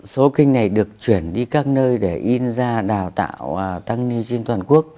số kinh này được chuyển đi các nơi để in ra đào tạo tăng ni trên toàn quốc